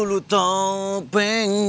terima kasih si pesang